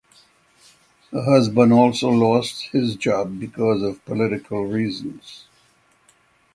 Her husband also lost his job because of political reasons.